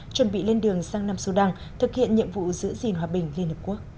chuẩn bị lên đường sang nam sudan thực hiện nhiệm vụ giữ gìn hòa bình liên hợp quốc